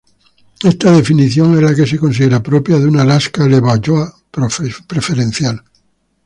Esta definición es la que se considera propia de una lasca Levallois preferencial.